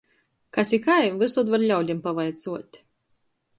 Kas i kai vysod var ļaudim pavaicuot.